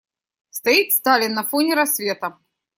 Стоит Сталин на фоне рассвета.